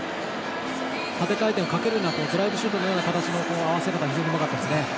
縦回転をかけてドライブシュートのような合わせ方が非常にうまかったですね。